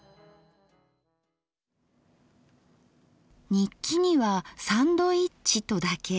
日記には「サンドイッチ」とだけ。